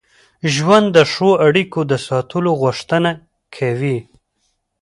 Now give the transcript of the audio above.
ژوند د ښو اړیکو د ساتلو غوښتنه کوي.